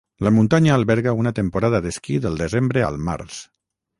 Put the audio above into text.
La muntanya alberga una temporada d'esquí del desembre al març.